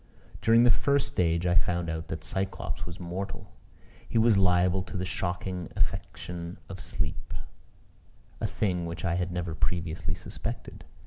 During the first stage, I found out that Cyclops was mortal: he was liable to the shocking affection of sleep a thing which I had never previously suspected.